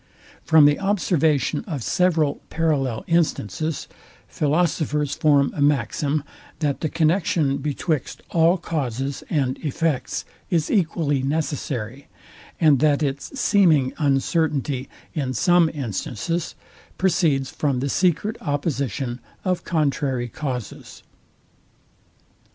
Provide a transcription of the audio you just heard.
From the observation of several parallel instances, philosophers form a maxim, that the connexion betwixt all causes and effects is equally necessary, and that its seeming uncertainty in some instances proceeds from the secret opposition of contrary causes.